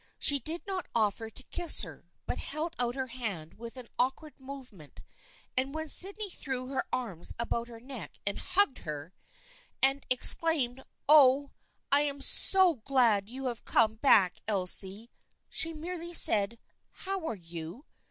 She did not offer to kiss her, but held out her hand with an awkward movement, and when Sydney threw her arms about her neck and hugged her, and exclaimed, " Oh, I am so glad you have come back, Elsie !" she merely said, " How are you